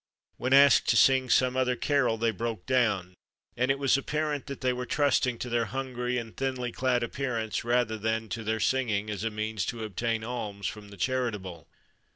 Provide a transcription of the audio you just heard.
When asked to sing some other carol they broke down, and it was apparent that they were trusting to their hungry and thinly clad appearance rather than to their singing as a means to obtain alms from the charitable.